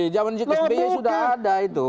jaman jika sby sudah ada itu